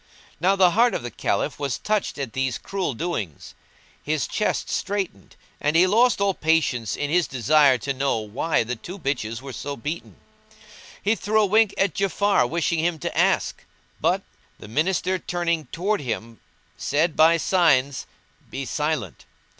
Now the heart of the Caliph, was touched at these cruel doings; his chest straitened and he lost all patience in his desire to know why the two bitches were so beaten. He threw a wink at Ja'afar wishing him to ask, but; the Minister turning towards him said by signs, "Be silent!"